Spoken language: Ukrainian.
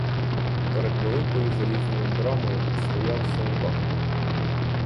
Перед великою залізною брамою стояв солдат.